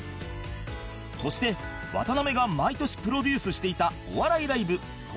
そして渡辺が毎年プロデュースしていたお笑いライブ徹